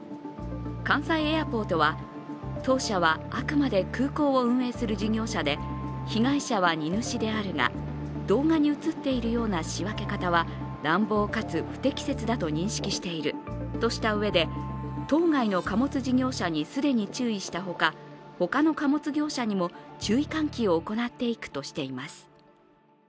関西エアポートは、当社はあくまで空港を運営する事業者で被害者は荷主であるが、動画に映っているような仕分け方は乱暴かつ不適切だと認識しているとしたうえで当該の貨物事業者に既に中止したほか、他の貨物業者にも注意喚起を行っていくとしています。